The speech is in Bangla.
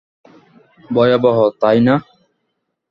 ভয়াবহ, তাই না?